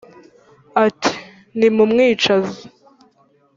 , ati «nimumwicaze.»